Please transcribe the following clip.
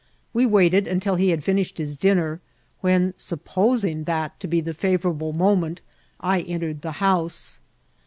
We waited until he had finished his dinner, when, supposing that to be the fa« vourable moment, I entered the house.